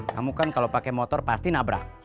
kamu kan kalau pakai motor pasti nabrak